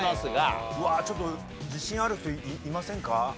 うわあちょっと自信ある人いませんか？